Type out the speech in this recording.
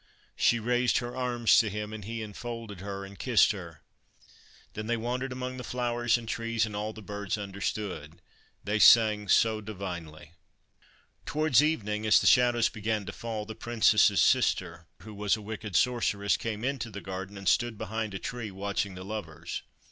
She raised her arms to him, and he enfolded her and kissed her. Then they wandered among the flowers and trees, and all the birds understood : they sang so divinely. Towards evening, as the shadows began to fall, the Princess's sister, who was a wicked Sorceress, came into the garden and stood behind a tree watching the lovers.